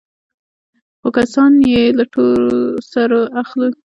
خو كسات يې له تور سرو اخلي.